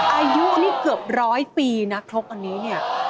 อายุนี่เกือบร้อยปีนะครกอันนี้เนี่ย